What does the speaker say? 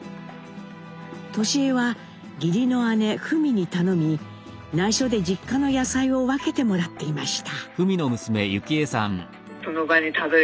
智江は義理の姉フミに頼みないしょで実家の野菜を分けてもらっていました。